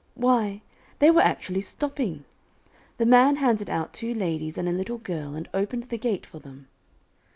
Why, they were actually stopping; the man handed out two ladies and a little girl, and opened the gate for them.